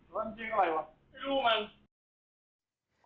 ไม่รู้มัน